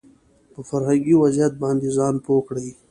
په فرهنګي وضعيت باندې ځان پوه کړي